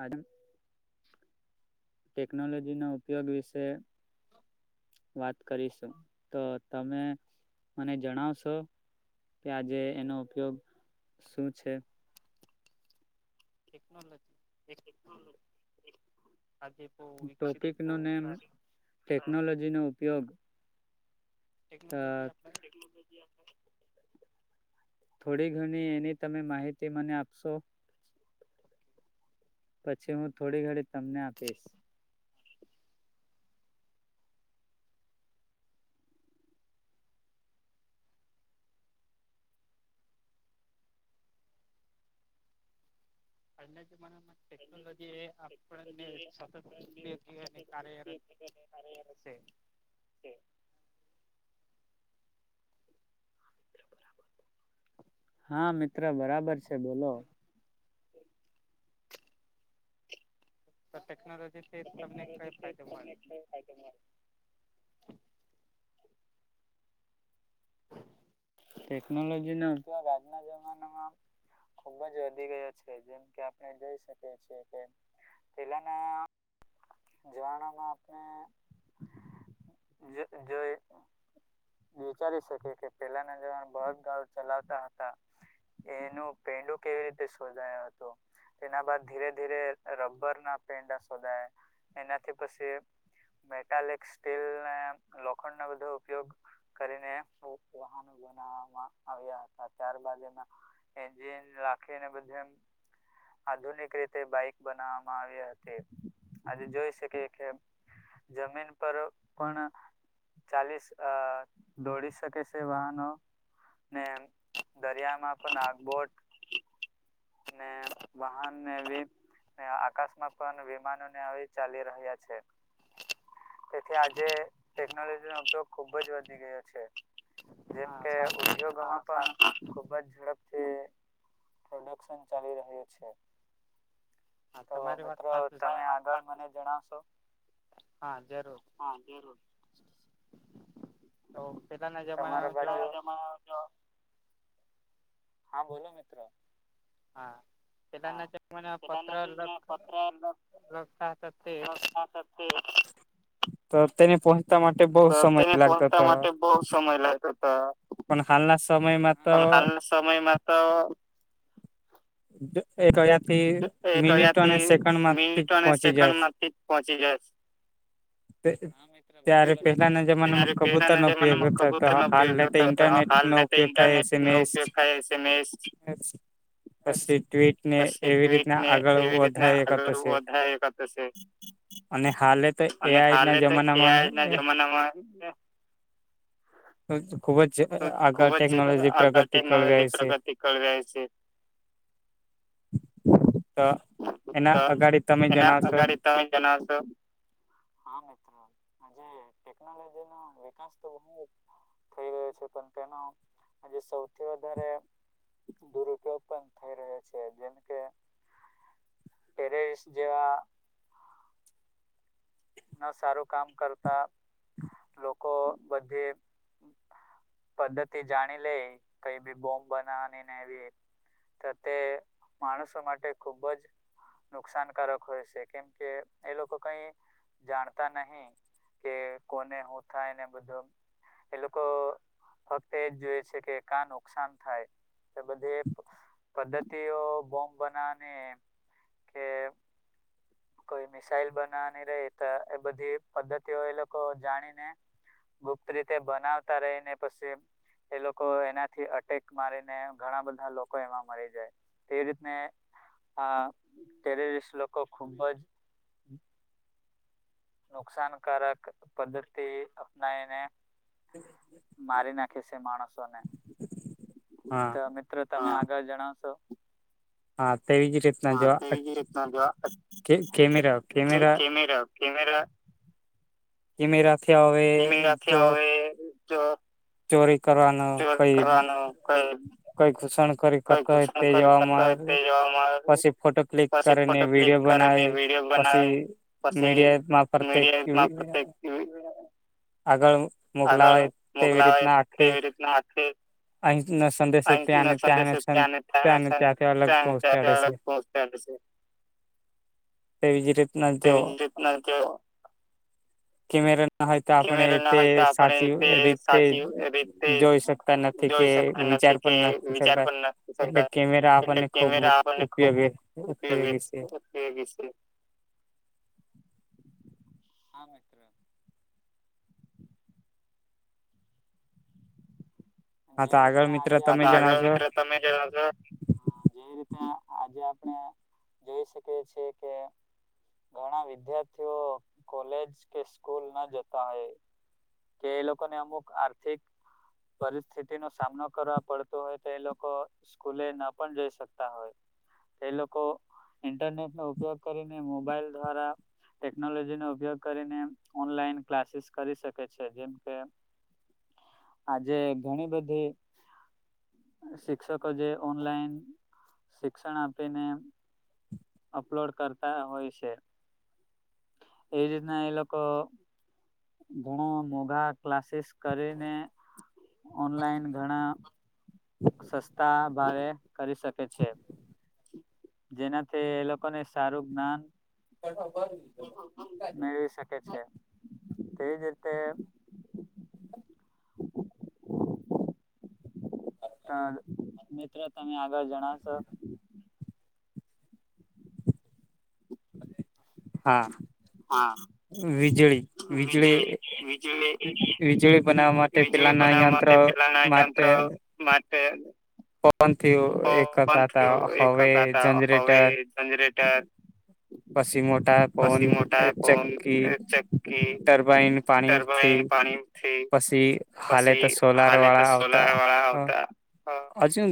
આજે ટેકનોલોજી ના ઉપયોગ વિશે વાત કરીશું. તો તમે મને જણાવશો? કે આજે એનો ઉપયોગ શું છે? ટેકનોલોજી એક [inaudible] ટોપિકનો નેમ ટેકનોલોજી નો ઉપયોગ. ટેક્નોલોજી આપડે થોડી ઘણી એની તમે માહિતી મને આપશો. પછી હું થોડી ઘણી તમને આપીશ. આજના જમાનામાં ટેકનોલોજી એ આપણને સતત [unintelligible] અને કાર્યરત છે. [inaudible] હા મિત્ર બરાબર છે બોલો. તો ટેકનોલોજીથી તમને કયો ફાયદો મળે. ટેકનોલોજી ના ઉપયોગ આજના જમાનામાં ખુબ જ વધી ગયા છે જેમ કે આપણે જોઈ શકીએ છીએ કે પેલાના જમાંનામાં આપણે જો જોઈ વિચારી શકે કે છે. પહેલા ન જમાંનામાં બળદગાડા ચલાવતા હતા. એનું પૈડું કેવી રીતે શોધાયો હતો. તેના બાદ ધીરે ધીરે રબર ના પૈડા શોધાયા એનાથી પછી મેટાલિક સ્ટીલ ને લોખંડ નો બધો ઉપયોગ કરીને વાહનો બનાવવામાં આવ્યા હતા ત્યારબાદ એના એન્જિન રાખીને બધે આધુનિક રીતે બાઈક બનાવવામાં આવી હતી આજે જોઈ શકીએ કે જમીન પર પણ ચાલી આ દોડી શકે છે. તે વાહનો ને દરિયામાં પણ આગ બોટ ને વાહને એવી ને આકાશમાં પણ વિમાનો ને હવે ચાલી રહ્યા છે. તેથી આજે ટેકનોલોજી નો ઉપયોગ ખુબ જ વધી ગયો છે. જેમ કે ઉદ્યોગમાં પણ ખુબ જ ઝડપથી શણ ચાલી રહ્યું છે. તો મિત્રો તમે આગળ મને જણાવશો હા જરૂર. હા જરૂર. તમારા બા હા બોલો મિત્રો. હા. પેલાના જ મને પત્ર લખ લખતા હતા તે તો તેને પહોંચતા માટે બહુ સમય લાગતો હતો. પણ હાલના સમયમાં તો સમયમાં તો [unintelligible] એક કયા તે મિનિટ અને સેકન્ડ માંથી પહોંચી જશે. તે ત્યારે પહેલાના જમાનામાં કબૂતર નો ઉપયોગ થતો હાલ ને તો ઇન્ટરનેટ નો તે ઇન્ટરનેટ નો ઉપયોગ થાય એસ એમ એસ [unintelligible] પછી ટ્વિટને એવી રીતના આગળ વધારી કરતો છે. અને હાલે તો એઆઈ ના જમાનામાં એ તો ખૂબ જ તો ખુબ જ આગળ ટેકનોલોજી પ્રગતિ કરી રહ્યા છે. તો એના અગાડી તમે જણાવશો તમે જણાવશો હા મિત્ર. આજે ટેકનોલોજી નો વિકાસ તો બહુ થઈ ગયો છે પણ તેનો આજે સૌથી વધારે દુરુપયોગ પણ થઈ રહ્યો છે જેમ કે ટેરેરિસ્ટ જેવા ના સારું કામ કરતા લોકો બધે પદ્ધતિ જાણી લે કંઇ બી બોમ્બ બનાવવાની ને એવી તે માણસો માટે ખુબ જ નુકસાનકારક હોય છે કેમ કે એ લોકો કઈ જાણતા નહી કે કોને હું થાય ને બધું એ લોકો ફક્ત એજ જોઈએ છે કે કા નુકસાન થાય બધે પદ્ધતિઓ બોમ્બ બનાવની કે કોઈ મિસાાઈલ બનાવાની રહી તો એ બધી પદ્ધતિઓ એ લોકો જાણીને ગુપ્ત રીતે બનાવતા રહીને પછી એ લોકો એનાથી અટેક મારીને ઘણા બધા લોકો એમાં મળી જાય તે રીતને આ ટેરેરિસ્ટ લોકો ખુબ જ નુકસાનકારક પદ્ધતિ અપનાવીને મારી નાખે છે માણસોને હા મિત્રો તમે આગળ જણાવશો હા તેવીજ રીતે હા તે રીના જો કેમેરા કેમેરા [unintelligible] કેમે રા થ્યા હોવે એમ રા્યા હવે તો [unintelligible] કરવાનું કઈ કઈ ખુશ. [unintelligible] કરતા હોય તે જોવાવામાં આવે પછી ફોટો ક્લિક કરીને વિડીયો બનાવી. [unintelligible] પછી મીડિયા રના પ્રત્યેક [unintelligible] આગળ મોકલાવાય તેવી રીતના આખી અહી [unintelligible] સંદેશ ત્યાં ને ત્યાં ત્યાંને ત્યાંથી અલગ પહોંચતા રહેે છે. [unintelligible] એવીજ રીતના જો કેમેરા ના હોય. [unintelligible] આપણે તે સાચી રીતે જોઈ શકતા નથી કે વિચાર. નથીકતા એટલે કેમેરા આપણને ખુબ ઉપયોગી ઉપયોગી છે. એ છે હા ભ [inaudible] જે રીતે આગળ મ્ર તમે જેો [unintelligible] જે રીતે આજે આપણે જોઈ શકીએ છીએ કે. ઘણા વિદ્યાર્થીઓ કોલેજ કે સ્કૂલ ના જતા હો. કે એ લોકો ને અમુક આર્થિક. પરિસ્થિતિ નો સામનો કરવા પડતો હોય તો એ લોકો. સ્કૂલે ના પણ જઈ શકતા હોય. એ લોકો ઇન્ટરનેટ નો ઉપયોગ કરીને મોબાઈલ દ્વારા. ટેકનોલોજીનોો ઉપયોગ કરીને ઓનલાઈન ક્લાસીસ કરી શકે છે જેમ કે. આજે ઘણી બધી. શિક્ષકો જે ઓનલાઈન શિક્ષણ આપીને. અપલોડ કરતા હોય છે એ રીતના એ લોકો ઘણો મોઘા ક્લાસીસ કરીને ઓનલાઈન ઘણા. સસ્તા ભાવે કરી શકે છે. જેનાથી એ લોકોને સારું ગ્યાન પઠ કર. [unintelligible] મેળવી શકે છે તેવીજ રીતે. [inaudible] [inaudible] તો મિત્રો તમે આગળ જણશો. [unintelligible] [inaudible] હા. વીજળી વીજળી વીજળી બનાવવા માટે પિલાના યાત્રા માટે માટે પવનથી હો [unintelligible] એ કરતા હતા હવે જનરેટર પછી મોટા પવન ચક્કી ટર્બાઈન પાણીથી પછી હાલે તો સોલાર વાળા આવતા અ હજુ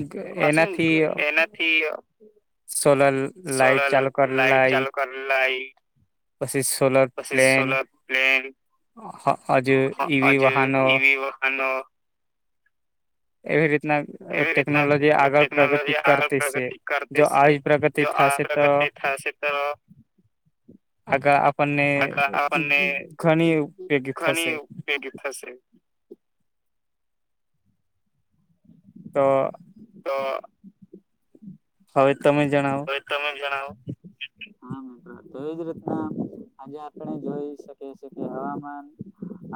એનાથી અ થી અ સોલર લાઈટ ચાલુ કર લાઈટ પછીસ સોલાર પ્લેન હ અ હજુ ઈવી વાહનો એવી રીતના ટેકનોલોજી આગળ પ્રગતિ કરતી છે. કરતી છે જો આ પ્રગતિ થશે તો [inaudible] આગા આપણને ઘણી ઉપયોગી થશે. તો તો હવે તમે જણાવો. હવે તમે જણાવો કે હા મિત્રો તેવીજ રીતના આજે આપણે જોઈએ શકીએ ઓકે હવામાન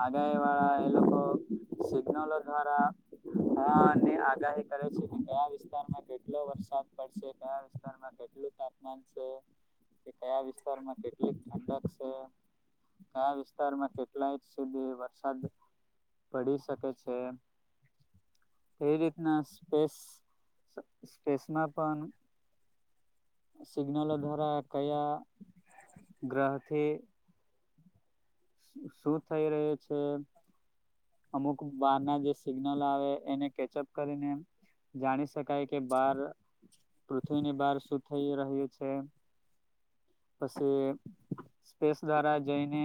આગ એવાળ એ લોકો લોકો સિગ્નોલ દ્વારા હા આગાહી કરે છે કે કયા વિસ્તારમાં કેટલો વરસાદ પડશે ત્યા વિસ્તારમાં કેટલું તાપમાન છે કે કયા વિસ્તારમાં કેટલી ઠંડક છે. કયા વિસ્તારમાં કેટલા ઈંચ સુધી વરસાદ પડી શકે છે. એવી રીતના સ્પેસ સ્પેસમાં પણ સિગ્નલો દ્વારા કયા ગ્રહથી શું થઈ રહ્યું છે. અમુક બારના જે સિગ્નલ આવે એને કેચઅપ કરીને જાણી શકાય કે બાર પૃથ્વીની બહાર શું થઈ રહ્યું છે. પછી સ્પેસ દ્વારા જઈને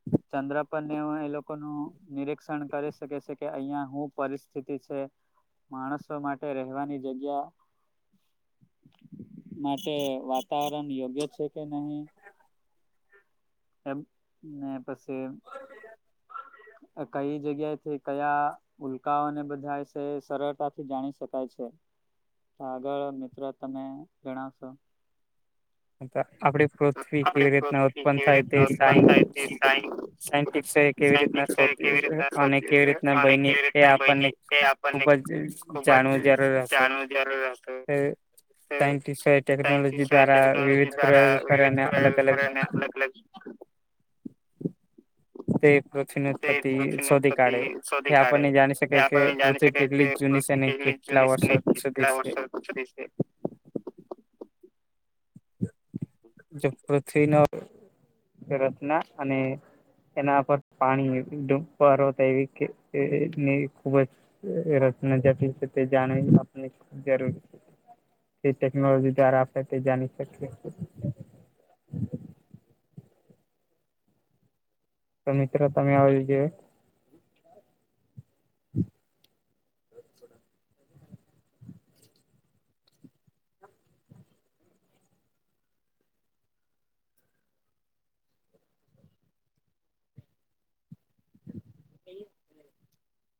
[inaudible] ચંદ્ર પરને એ લોકોનો નિરીક્ષણ કરી શકે છે કે અહિયાં હું પરિસ્થિતિ છે. માણસો માટે રહેવાની જગ્યા માટે વાતાવરણ યોગ્ય છેકે નહીં એમને પછી કઈ જગ્યાએથી ક્યાં ઉલ્કાઓ અને બધા છે સરળતાથી જાણી શકાય છે. તો આગળ મિત્રો તમે જણાવશો આપડી પૃથ્વી કેવી રીતના ઉત્પન થાય તે સાયન્સ સાયન્સટીસે કેવી રીતના સોધ અને કેવી રીતના બનીએ આપણને ખુબ જ અ જાણવું જરૂર હશે સાયન્ટીશન ટેકનોલોજી દ્વારા તા વિવિધ પ્રયોગ કરે અને અલગ અલગ [inaudible] તે દક્ષિણ પતિ શોધી કાઢેએ આપણે જાણી શકીએ છે કે પૃથ્વી કે જૂની કેટલા વર્ષો પછીની છે. જો પૃથ્વીનો રત્ના અને એના પર પાણી એવી કે એવી રીતે ખુબ જ રત્નજપ છે તે જાણે આપને જરૂરી છે. તે ટેકનોલોજી દ્વારા આપણે તે જાણી શકીએ. તો મિત્રો તમે આવજે. હું. [inaudible]